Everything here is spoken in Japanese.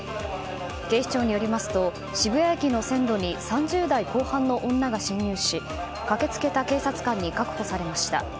警視庁によりますと渋谷駅の線路に３０代後半の女が侵入し駆けつけた警察官に確保されました。